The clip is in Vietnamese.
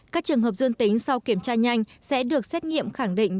các trường hợp dương tính sau kiểm tra nhanh sẽ được xét nghiệm khẳng định